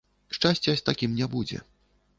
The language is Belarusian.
Шчасця з такім не будзе.